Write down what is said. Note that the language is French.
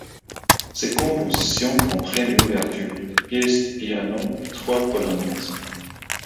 Ses compositions comprennent une ouverture, des pièces de piano et trois polonaises.